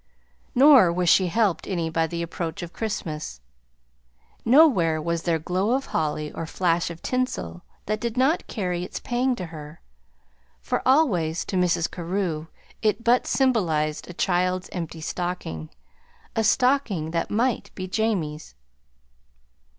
Nor was she helped any by the approach of Christmas. Nowhere was there glow of holly or flash of tinsel that did not carry its pang to her; for always to Mrs. Carew it but symbolized a child's empty stocking a stocking that might be Jamie's.